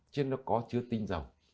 chứ nó có chứa tinh dầu